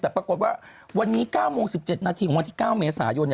แต่ปรากฏว่าวันนี้๙โมง๑๗นาทีของวันที่๙เมษายน